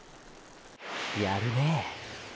やるねぇ！！